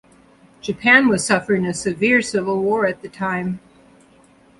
Japan was suffering a severe civil war at the time.